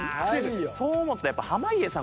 そう思ったらやっぱ濱家さん